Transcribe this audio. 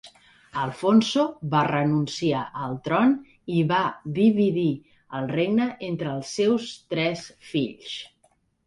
Alfonso va renunciar al tron i va dividir el regne entre els seus tres fills.